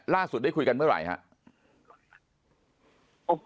ล่าสุดได้คุยกันเมื่อไหร่ครับ